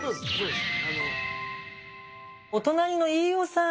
お隣の飯尾さん。